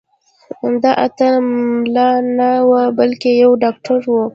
دا اتل ملا نه و بلکې یو ډاکټر و.